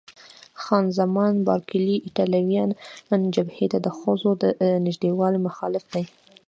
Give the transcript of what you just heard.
خان زمان بارکلي: ایټالویان جبهې ته د ښځو د نږدېوالي مخالف دي.